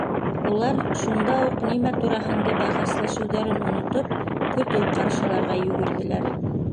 Улар, шунда уҡ нимә тураһында бәхәсләшеүҙәрен онотоп, көтөү ҡаршыларға йүгерҙеләр.